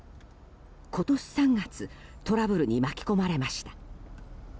今年３月トラブルに巻き込まれました。